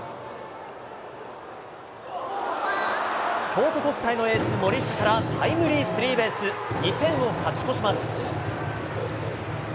京都国際のエース、森下からタイムリースリーベース、２点を勝ち越します。